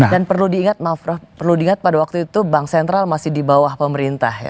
dan perlu diingat maaf perlu diingat pada waktu itu bank sentral masih di bawah pemerintah ya